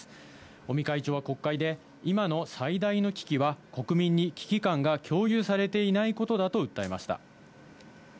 尾身会長は国会で、今の最大の危機は国民に危機感が共有されていないことだと訴えました。